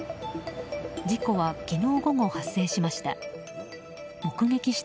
事故は昨日午後発生しました。